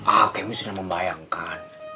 ah kemi sudah membayangkan